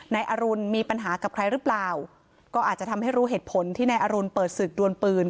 นายอรุณมีปัญหากับใครหรือเปล่าก็อาจจะทำให้รู้เหตุผลที่นายอรุณเปิดศึกดวนปืน